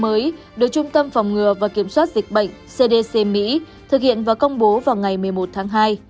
nhiều nghiên cứu mới được trung tâm phòng ngừa và kiểm soát dịch bệnh cdc mỹ thực hiện và công bố vào ngày một mươi một tháng hai